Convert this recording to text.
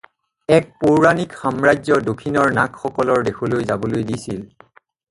এক পৌৰাণিক সাম্ৰাজ্য দক্ষিণৰ নাগসকলৰ দেশলৈকে যাবলৈ দিছিল।